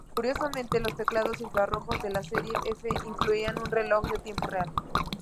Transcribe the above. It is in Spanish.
Curiosamente, los teclados infrarrojos de la serie F incluían un reloj de tiempo real.